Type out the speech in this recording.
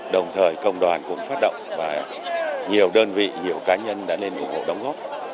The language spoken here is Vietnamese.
đồng thời công đoàn cũng phát động và nhiều đơn vị nhiều cá nhân đã lên ủng hộ đóng góp